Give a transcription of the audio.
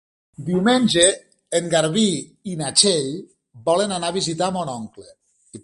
Diumenge en Garbí i na Txell volen anar a visitar mon oncle.